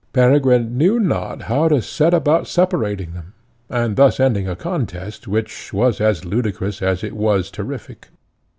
Peregrine knew not how to set about separating them, and thus ending a contest, which was as ludicrous as it was terrific.